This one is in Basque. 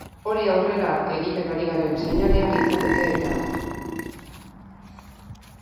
Hori aurrera egiten ari garen seinalea litzateke eta.